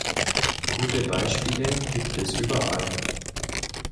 Gute Beispiele gibt es überall.